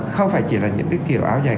không phải chỉ là những cái kiểu áo dài